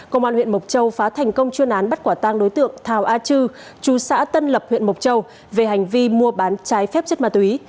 công an huyện mộc châu phá thành công chuyên án bắt quả tang đối tượng thào a chư chú xã tân lập huyện mộc châu về hành vi mua bán trái phép chất ma túy